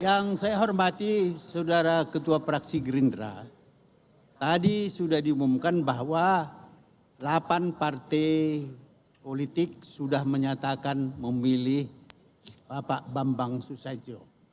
yang saya hormati saudara ketua praksi gerindra tadi sudah diumumkan bahwa delapan partai politik sudah menyatakan memilih bapak bambang susatyo